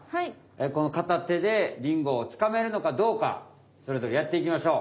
このかた手でリンゴをつかめるのかどうかそれぞれやっていきましょう。